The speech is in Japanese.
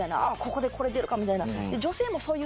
ここでこれ出るかみたいな。